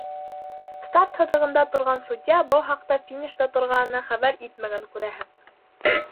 Старт һыҙығында торған судья был хаҡта финишта торғанына хәбәр итмәгән, күрәһең.